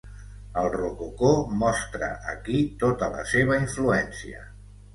El rococó mostra aquí tota la seva influència.